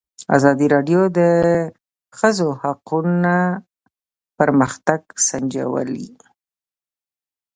ازادي راډیو د د ښځو حقونه پرمختګ سنجولی.